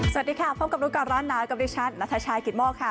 สวัสดีค่ะพบกับรู้ก่อนร้อนหนาวกับดิฉันนัทชายกิตโมกค่ะ